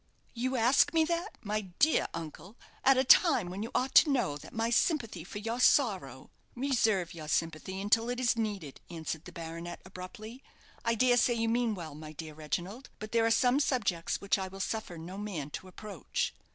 "You ask me that, my dear uncle, at a time when you ought to know that my sympathy for your sorrow " "Reserve your sympathy until it is needed," answered the baronet, abruptly. "I dare say you mean well, my dear Reginald; but there are some subjects which I will suffer no man to approach."